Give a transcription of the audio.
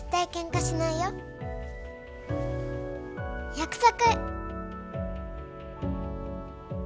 約束。